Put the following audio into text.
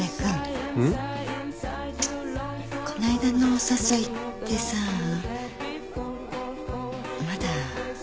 こないだのお誘いってさまだ